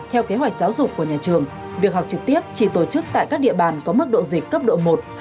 theo kế hoạch giáo dục của nhà trường việc học trực tiếp chỉ tổ chức tại các địa bàn có mức độ dịch cấp độ một